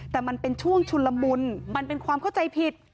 แต่มันเป็นช่วงชุนละมุนมันเป็นความเข้าใจผิด